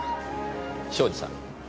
庄司さん